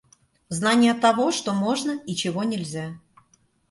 Знание того, что можно и чего нельзя.